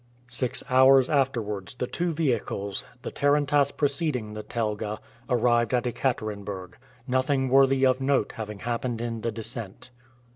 Six hours afterwards the two vehicles, the tarantass preceding the telga, arrived at Ekaterenburg, nothing worthy of note having happened in the descent.